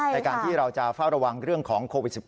ในการที่เราจะเฝ้าระวังเรื่องของโควิด๑๙